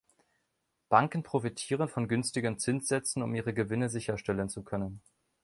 Banken profitieren von günstigen Zinssätzen, um ihre Gewinne sicherstellen zu können.